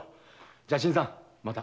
じゃあ新さんまた。